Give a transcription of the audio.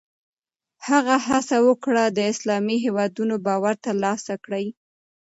هغه هڅه وکړه د اسلامي هېوادونو باور ترلاسه کړي.